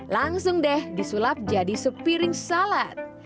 langsung deh disulap jadi sepiring salad